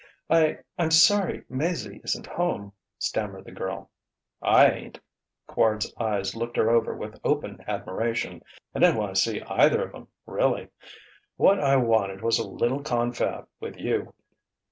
"I I'm sorry Maizie isn't home," stammered the girl. "I ain't." Quard's eyes looked her over with open admiration. "I didn't want to see either of 'em, really. What I wanted was a little confab with you."